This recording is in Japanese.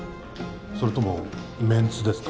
それともメンツですか？